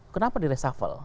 kenapa di resafal